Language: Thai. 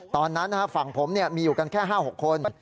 ตอนนั้นฝั่งผมมีอยู่กันแค่๕๖คน